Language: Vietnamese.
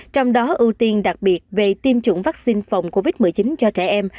trong đó ưu tiên đặc biệt về tiêm chủng vaccine phòng covid một mươi chín cho trẻ em